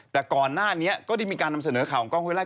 แต่ก่อนหน้านี้ก็ได้มีการนำเสนอข่าวของกล้องห้วไล่